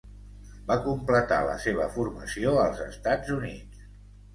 Va completar la seva formació als Estats Units.